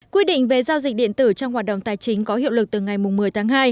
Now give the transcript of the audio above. quy định về giao dịch điện tử trong hoạt động tài chính có hiệu lực từ ngày một mươi tháng hai